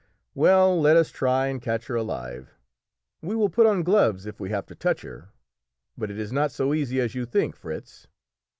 "Well, let us try and catch her alive. We will put on gloves if we have to touch her, but it is not so easy as you think, Fritz."